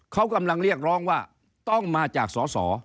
เขากำลังเรียกร้องว่าต้องมาจากสอสอ